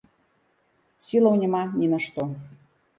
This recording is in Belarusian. Сілаў няма ні на што.